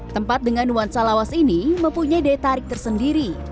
tempat dengan nuansa lawas ini mempunyai detarik tersendiri